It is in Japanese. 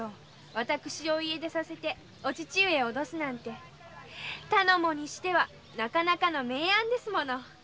私を家出させてお父上を脅すなんて頼母にしてはなかなかの名案ですもの。